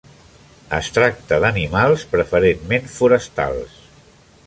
Es tracta d'animals preferentment forestals.